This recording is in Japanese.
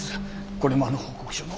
これもあの報告書の。